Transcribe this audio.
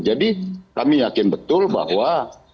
jadi kami yakin betul bahwa